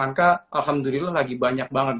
angka alhamdulillah lagi banyak banget